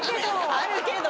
あるけど！